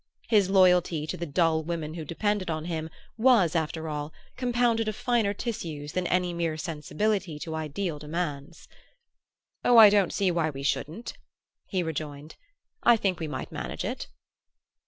His loyalty to the dull women who depended on him was, after all, compounded of finer tissues than any mere sensibility to ideal demands. "Oh, I don't see why we shouldn't," he rejoined. "I think we might manage it."